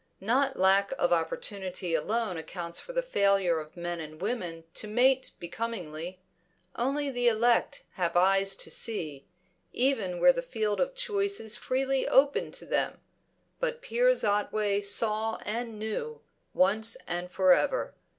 Not lack of opportunity alone accounts for the failure of men and women to mate becomingly; only the elect have eyes to see, even where the field of choice is freely opened to them. But Piers Otway saw and knew, once and for ever.